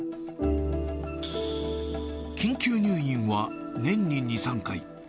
緊急入院は年に２、３回。